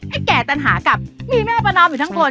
แก่ปัญหากับมีแม่ประนอมอยู่ทั้งคน